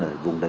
ở vùng đáy